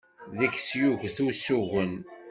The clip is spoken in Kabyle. Deg-s yuget usugen.